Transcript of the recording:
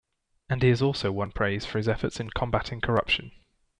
And he has also won praise for his efforts in combatting corruption.